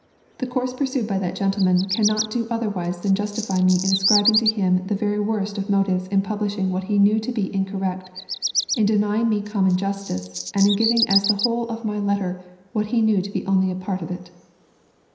The course pursued by that gentleman cannot do otherwise than justify me in ascribing to him the very worst of motives in publishing what he knew to be incorrect, in denying me common justice, and in giving as the whole of my letter what he knew to be only a part of it.